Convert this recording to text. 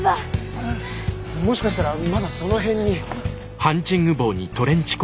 もしかしたらまだその辺に。